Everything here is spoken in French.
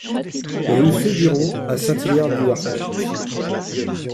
Rue Feburon à Saint-Hilaire-du-Harcouët